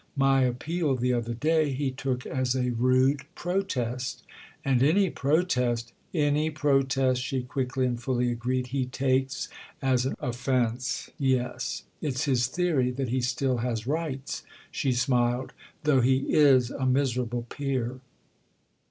My appeal the other day he took as a rude protest. And any protest——" "Any protest," she quickly and fully agreed, "he takes as an offence, yes. It's his theory that he still has rights," she smiled, "though he is a miserable peer."